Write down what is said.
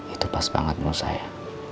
itu pas banget mau saya